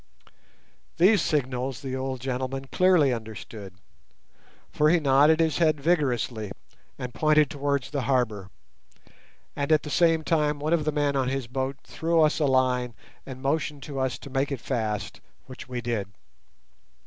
These signals the old gentleman clearly understood, for he nodded his head vigorously, and pointed towards the harbour; and at the same time one of the men on his boat threw us a line and motioned to us to make it fast, which we did.